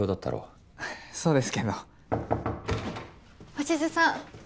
・鷲津さん